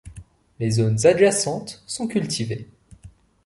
Les zones adjacentes sont cultivées.